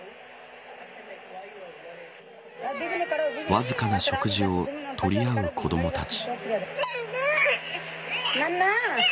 わずかな食事を取り合う子どもたち。